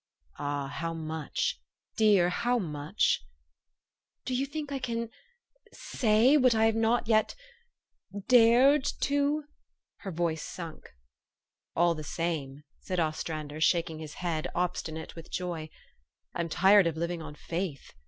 11 Ah, how much?' Dear, how much? " "Do you think I can say, what I have not dared yet to '' Her voice sunk. " All the same," said Ostrander, shaking his head, obstinate with joy, "I'm tired of living on faith.